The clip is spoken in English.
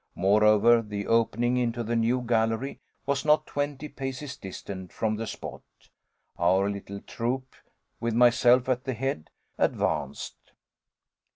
Moreover, the opening into the new gallery was not twenty paces distant from the spot. Our little troop, with myself at the head, advanced.